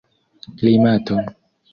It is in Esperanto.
klimato